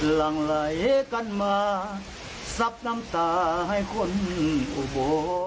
หลังไหลกันมาซับน้ำตาให้คนโอ้โห